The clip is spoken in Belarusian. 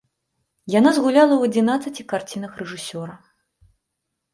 Яна згуляла ў адзінаццаці карцінах рэжысёра.